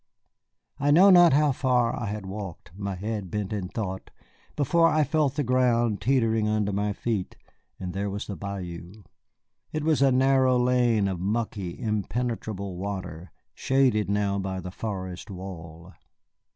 I know not how far I had walked, my head bent in thought, before I felt the ground teetering under my feet, and there was the bayou. It was a narrow lane of murky, impenetrable water, shaded now by the forest wall.